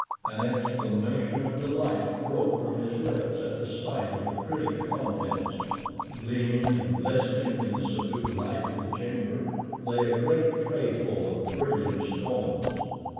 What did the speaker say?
An exclamation of delight broke from his lips at sight of the pretty contents. Gleaming and glistening in the subdued light of the chamber, lay a great tray full of brilliant stones.